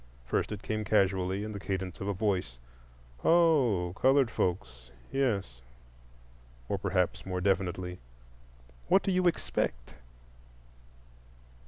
First it came casually, in the cadence of a voice: "Oh, colored folks? Yes." Or perhaps more definitely: "What do you _expect?